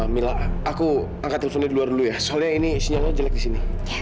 mila aku angkat teleponnya di luar dulu ya soalnya ini siangnya jelek di sini